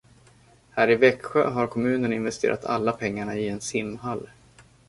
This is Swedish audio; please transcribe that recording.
Här i Växjö har kommunen investerat alla pengarna i en simhall